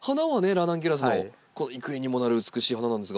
ラナンキュラスのこの幾重にもなる美しい花なんですが。